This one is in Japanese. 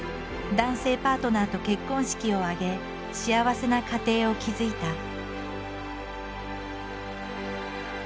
男性パートナーと結婚式を挙げ幸せな家庭を築いた。